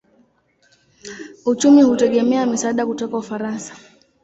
Uchumi hutegemea misaada kutoka Ufaransa.